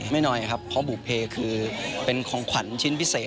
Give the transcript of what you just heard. น้อยครับเพราะบุภเพคือเป็นของขวัญชิ้นพิเศษ